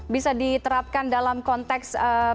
bisa diterapkan dalam konteks